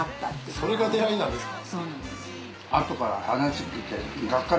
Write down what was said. それが出会いなんですか。